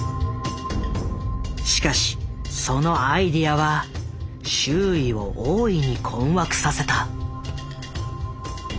しかしそのアイデアは周囲を大いに困惑させた。